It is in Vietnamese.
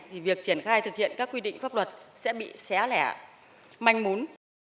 thì việc triển khai thực hiện các quy định pháp luật sẽ bị xé lẻ manh mún